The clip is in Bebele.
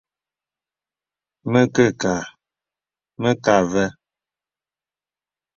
Mə kə kâ , mə kə avə́.